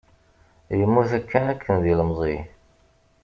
Yemmut kanakken d ilemẓi.